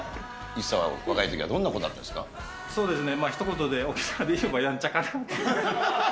イッサは若いときはどんな子だったんですか？